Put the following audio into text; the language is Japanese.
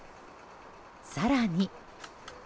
更に。